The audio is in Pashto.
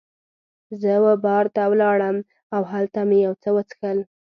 زه وه بار ته ولاړم او هلته مې یو څه وڅښل.